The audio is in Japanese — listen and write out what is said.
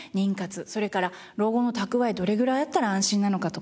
それから老後の蓄えどれくらいあったら安心なのかとか。